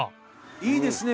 いいですね